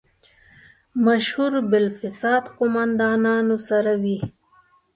مشهور بالفساد قوماندانانو سره وي.